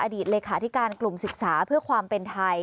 เลขาธิการกลุ่มศึกษาเพื่อความเป็นไทย